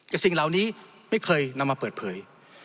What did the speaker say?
แต่สิ่งเหล่านี้ไม่เคยนำมาเปิดเผย